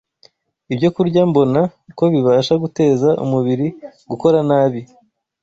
ibyokurya mbona ko bibasha guteza umubiri gukora nabi